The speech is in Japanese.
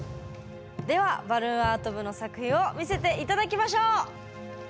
ではバルーンアート部の作品を見せて頂きましょう！